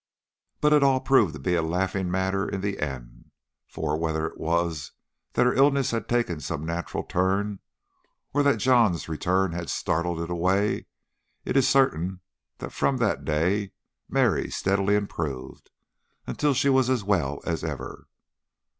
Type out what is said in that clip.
But it all proved to be a laughing matter in the end, for, whether it was that her illness had taken some natural turn, or that John's return had startled it away, it is certain that from that day Mary steadily improved until she was as well as ever.